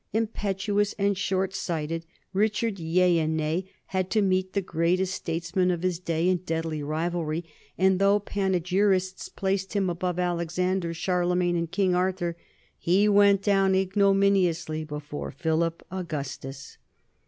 Impetuous and short sighted, Richard Yea and Nay had to meet the greatest statesman of his day in deadly rivalry ; and though panegyrists placed him above Alexander, Charle magne, and King Arthur, he went down ignominiously before Philip Augustus.